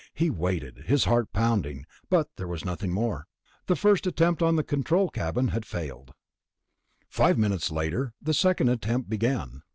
He waited, his heart pounding, but there was nothing more. The first attempt on the control cabin had failed. Five minutes later the second attempt began.